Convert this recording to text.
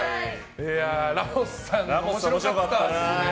ラモスさん、面白かったですね。